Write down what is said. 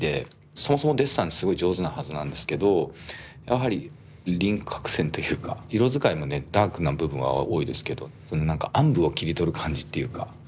そもそもデッサンすごい上手なはずなんですけどやはり輪郭線というか色使いもねダークな部分は多いですけどその何か暗部を切り取る感じっていうかうん。